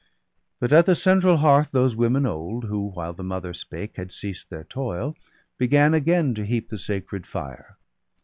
But at the central hearth those women old, Who while the Mother spake had ceased their toil, Began again to heap the sacred fire.